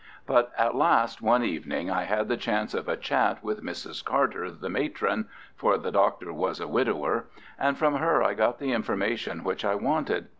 But at last one evening I had the chance of a chat with Mrs. Carter, the matron—for the Doctor was a widower—and from her I got the information which I wanted.